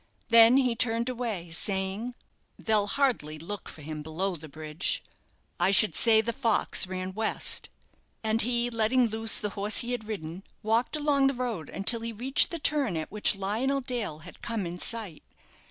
Then he turned away, saying, "They'll hardly look for him below the bridge I should say the fox ran west;" and he letting loose the horse he had ridden, walked along the road until he reached the turn at which Lionel Dale had come in sight.